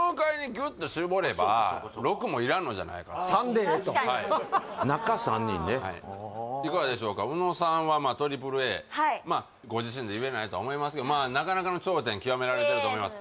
６もいらんのじゃないか３でええといかがでしょうか宇野さんはＡＡＡまあご自身で言えないとは思いますけどなかなかの頂点極められてると思います